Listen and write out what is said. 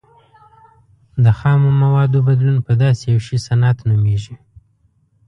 د خامو موادو بدلون په داسې یو شي صنعت نومیږي.